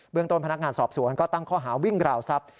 เบื้องต้นพนักงานสอบสวนก็ตั้งข้อหาวิ่งกล่าวทรัพย์